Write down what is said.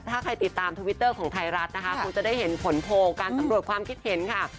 ถ้าใครติดตามทวิตเตอร์ของไทยรัฐนะคะคงจะได้เห็นผลโพลการสำรวจความคิดเห็นค่ะ